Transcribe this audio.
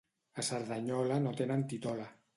A Cerdanyola no tenen titola.